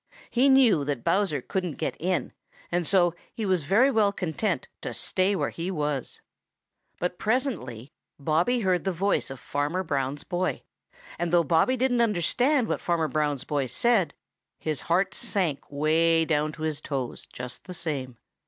He knew that Bowser couldn't get in, and so he was very well content to stay where he was. But presently Bobby heard the voice of Fanner Brown's boy, and though Bobby didn't understand what Farmer Brown's boy said, his heart sank way down to his toes just the same.